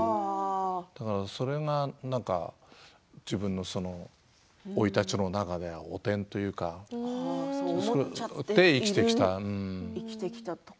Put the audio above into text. だからそれが自分の生い立ちの中で汚点というかそう思って生きてきたと。